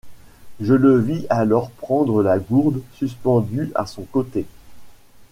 Je le vis alors prendre la gourde suspendue à son côté.